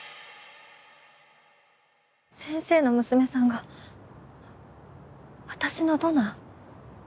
先生の娘さんが私のドナー？